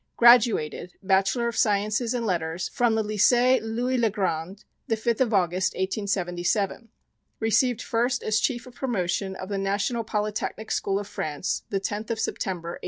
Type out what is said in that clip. Graduated, Bachelor of Sciences and of Letters, from the Lycée, Louis le Grand, the 5th of August, 1877. Received first as Chief of Promotion of the National Polytechnic School of France, the 10th of September, 1877.